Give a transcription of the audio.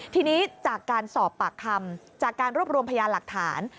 ทีนี้จากการสอบปากคำจากการรวบรวมพยานหลักฐาน